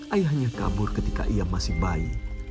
ayahnya kabur ketika ia masih bayi